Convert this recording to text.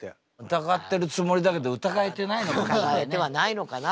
疑ってるつもりだけど疑えてないのかもしれないね。